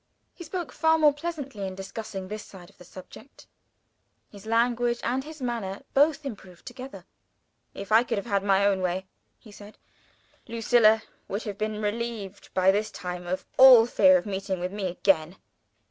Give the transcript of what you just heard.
He spoke far more pleasantly in discussing this side of the subject. His language and his manner both improved together. "If I could have had my own way," he said, "Lucilla would have been relieved, by this time, of all fear of meeting with me again.